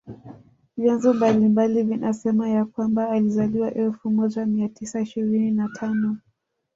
Vyanzo mbalimbali vinasema ya kwamba alizaliwa elfu moja mia tisa ishirini na tano